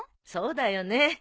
そうだよね。